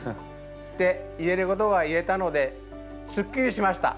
で言えることが言えたのですっきりしました。